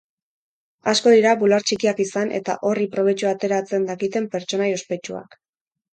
Asko dira bular txikiak izan eta horri probetxua ateratzen dakiten pertsonai ospetsuak.